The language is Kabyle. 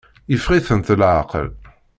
Yeffeɣ-itent leɛqel.